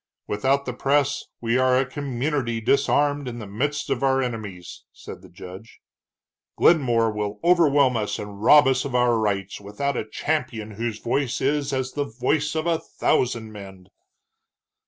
"Without the press, we are a community disarmed in the midst of our enemies," said the judge. "Glenmore will overwhelm us and rob us of our rights, without a champion whose voice is as the voice of a thousand men."